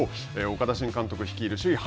岡田新監督率いる首位